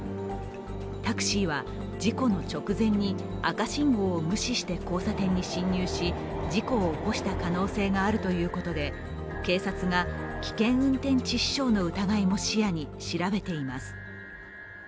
タクシーは事故の直前に赤信号を無視して交差点に進入し事故を起こした可能性があるということで警察が危険運転致死傷の疑いも視野に調べています。